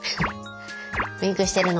ウインクしてるの。